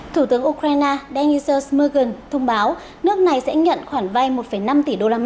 thủ tướng ukraine denis sosmergen thông báo nước này sẽ nhận khoản vai một năm tỷ usd